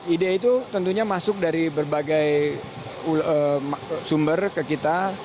ide itu tentunya masuk dari berbagai sumber ke kita